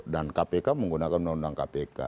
kpk menggunakan undang undang kpk